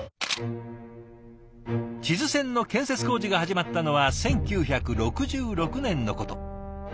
智頭線の建設工事が始まったのは１９６６年のこと。